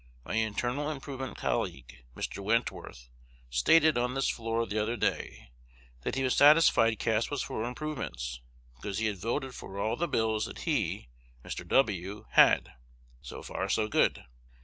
My internal improvement colleague (Mr. Wentworth) stated on this floor the other day, that he was satisfied Cass was for improvements, because he had voted for all the bills that he (Mr. W.) had. So far, so good.